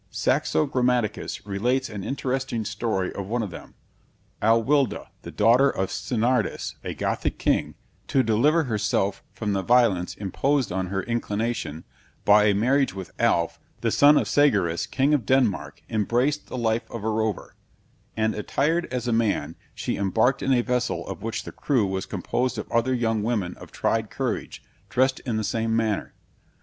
Saxo Grammaticus relates an interesting story of one of them. Alwilda, the daughter of Synardus, a Gothic king, to deliver herself from the violence imposed on her inclination, by a marriage with Alf, the son of Sygarus, king of Denmark, embraced the life of a rover; and attired as a man, she embarked in a vessel of which the crew was composed of other young women of tried courage, dressed in the same manner.